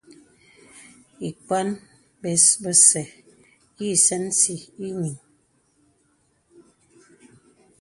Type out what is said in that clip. Ìkwan bes bə̀sɛ̀ yì sɛnsi ìyìŋ.